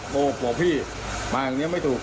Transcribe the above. บอกพี่มาอย่างนี้ไม่ถูก